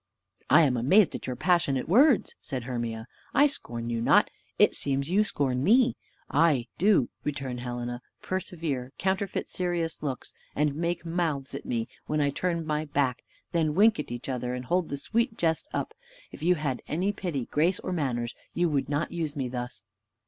"I am amazed at your passionate words," said Hermia: "I scorn you not; it seems you scorn me." "Ay, do," returned Helena, "persevere, counterfeit serious looks, and make mouths at me when I turn my back; then wink at each other, and hold the sweet jest up. If you had any pity, grace, or manners, you would not use me thus."